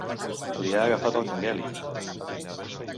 Li ha agafat el cangueli.